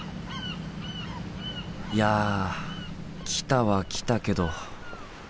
いや来たは来たけど。